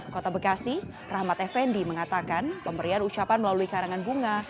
kota bekasi rahmat effendi mengatakan pemberian ucapan melalui karangan bunga